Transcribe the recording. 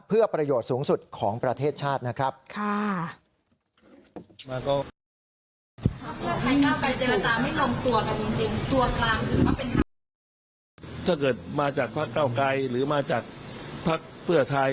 เพื่อประโยชน์สูงสุดของประเทศชาตินะครับ